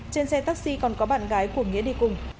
trên xe taxi còn có bạn gái của nghĩa đi cùng